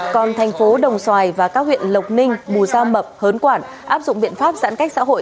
còn thành phố đồng xoài và các huyện lộc ninh bù gia mập hớn quản áp dụng biện pháp giãn cách xã hội